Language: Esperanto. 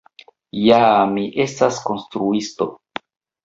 Ja, mi estas konstruisto.